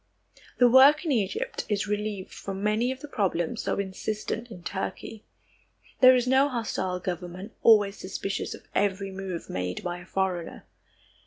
The work in Egypt is relieved from many of the problems so insistent in Turkey. There is no hostile government, always suspicious of every move made by a foreigner.